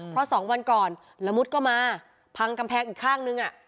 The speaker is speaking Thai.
เพราะ๒วันก่อนละมุดก็มาพังกำแพงอีกข้างนึง